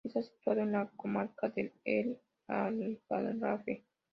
Está situado en la comarca de El Aljarafe.